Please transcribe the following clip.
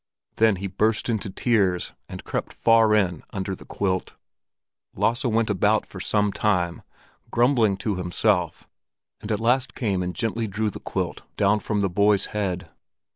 Then he burst into tears, and crept far in under the quilt. Lasse went about for some time, grumbling to himself, and at last came and gently drew the quilt down from the boy's head.